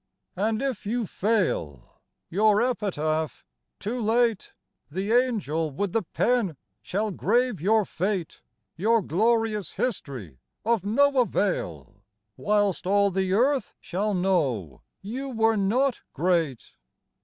And if you fail Your epitaph: 'too late' The Angel with the Pen shall grave your fate: Your glorious history of no avail; Whilst all the Earth shall know you were not great.